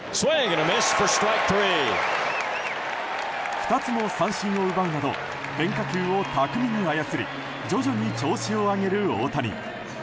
２つの三振を奪うなど変化球を巧みに操り徐々に調子を上げる大谷。